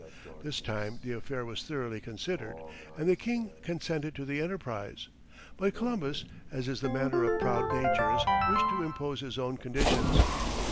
This time the affair was thoroughly considered, and the king consented to the enterprise. But Columbus, as is the manner of proud natures, wished to impose his own conditions.